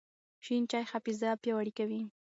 شین چای حافظه پیاوړې کوي.